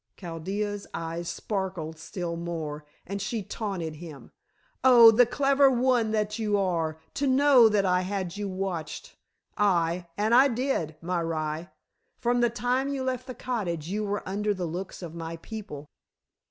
Chaldea's eyes sparkled still more, and she taunted him. "Oh, the clever one that you are, to know that I had you watched. Aye, and I did, my rye. From the time you left the cottage you were under the looks of my people."